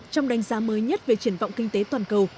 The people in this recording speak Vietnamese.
trong đánh giá mới nhất về triển vọng kinh tế toàn cầu